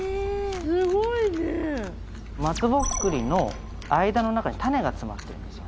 すごいね松ぼっくりの間の中に種が詰まってるんですよ